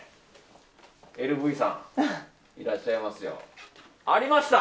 ＬＶさん、いらっしゃいますよ。ありました！